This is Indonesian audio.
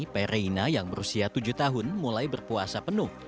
perina yang berusia tujuh tahun mulai berpuasa penuh